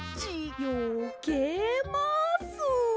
よけます！